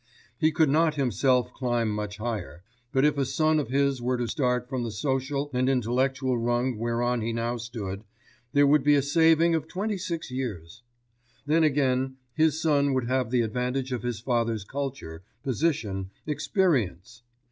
He could not himself climb much higher, but if a son of his were to start from the social and intellectual rung whereon he now stood, there would be a saving of twenty six years. Then again, his son would have the advantage of his father's culture, position, experience.